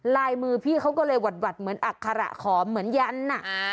ลายมือพี่เขาก็เลยหวัดเหมือนอัคระขอมเหมือนกัน